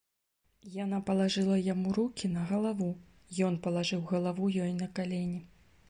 Яна палажыла яму рукі на галаву, ён палажыў галаву ёй на калені.